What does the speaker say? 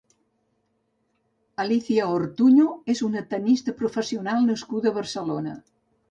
Alicia Ortuño és una tennista professional nascuda a Barcelona.